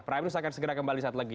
primerus akan segera kembali saat lagi